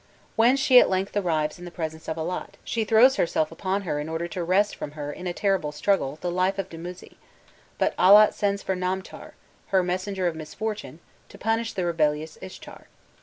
When she at length arrives in the presence of Allat, she throws herself upon her in order to wrest from her in a terrible struggle the life of Dumuzi; but Allat sends for Namtar, her messenger of misfortune, to punish, the rebellious Ishtar.